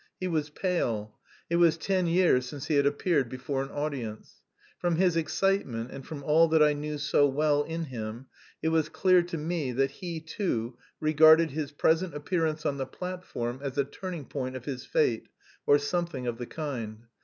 He was pale; it was ten years since he had appeared before an audience. From his excitement and from all that I knew so well in him, it was clear to me that he, too, regarded his present appearance on the platform as a turning point of his fate, or something of the kind.